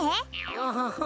アハハッ。